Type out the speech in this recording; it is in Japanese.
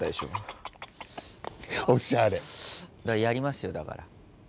やりますよだから。